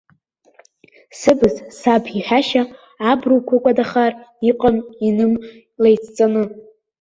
Сыбз, саб иҳәашьа, абруқәа кәадахар, иҟам-иным леицҵаны.